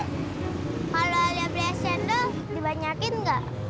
kalau alia beli es tendel dibanyakin enggak